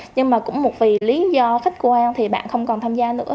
nhưng mà cũng một vì lý do khách quan thì bạn không còn tham gia nữa